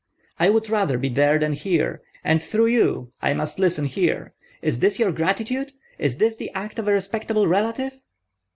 I would rather be there than here, and through you I must listen here. Is this your gratitude? Is this the act of a respectable relative?"